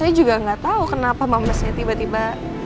ya saya juga gak tau kenapa mamasnya tiba tiba